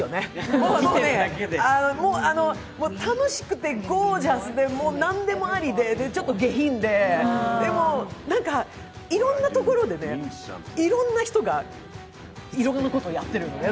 もう、もう楽しくてゴージャスで何でもありで、ちょっと下品で、でも何かいろんなところでいろんな人がいろんなことやってるのね。